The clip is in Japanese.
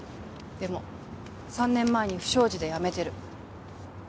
でも３年前に不祥事で辞めてる。